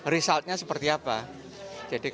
resultnya seperti apa